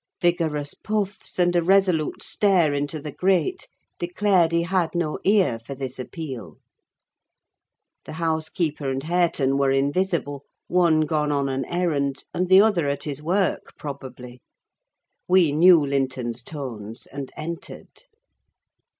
Vigorous puffs, and a resolute stare into the grate, declared he had no ear for this appeal. The housekeeper and Hareton were invisible; one gone on an errand, and the other at his work, probably. We knew Linton's tones, and entered.